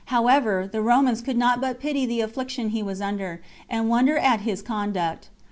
However, the Romans could not but pity the affliction he was under, and wonder at his conduct.